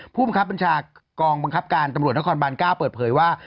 ผู้บังคับบัญชากองบังคับการตำรวจนครบาน๙เปิดเผยว่า